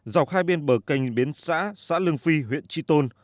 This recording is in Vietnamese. dọc hai bên bờ canh biến xã xã lương phi huyện tri tôn